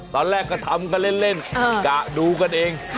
ตอนแรกก็ทำกันเล่นกะดูกันเอง